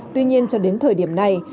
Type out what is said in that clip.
tuy nhiên cho đến thời điểm này